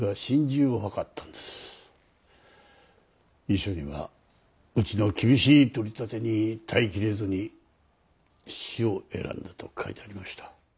遺書にはうちの厳しい取り立てに耐えきれずに死を選んだと書いてありました。